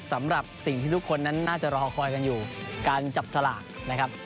สำหรับสิ่งที่ทุกคนนั้นน่าจะรอคอยกันอยู่การจับสลากนะครับ